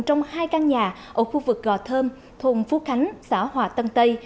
trong hai căn nhà ở khu vực gò thơm thôn phú khánh xã hòa tân tây